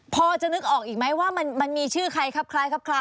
พอจะนึกออกอีกไหมว่ามันมีชื่อใครครับ